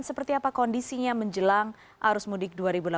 seperti apa kondisinya menjelang arus mudik dua ribu delapan belas